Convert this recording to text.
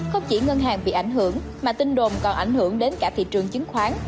không chỉ ngân hàng bị ảnh hưởng mà tin đồn còn ảnh hưởng đến cả thị trường chứng khoán